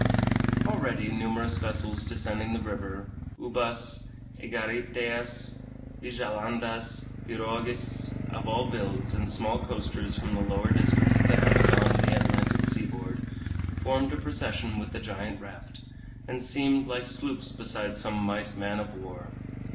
Already numerous vessels descending the river, ubas, egariteas, vigilandas, pirogues of all builds, and small coasters from the lower districts of the Amazon and the Atlantic seaboard, formed a procession with the giant raft, and seemed like sloops beside some might man of war.